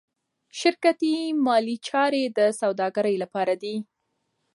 شرکتي مالي چارې د سوداګرۍ لپاره دي.